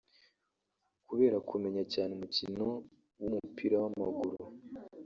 Kubera kumenya cyane umukino w’umupirawamaguru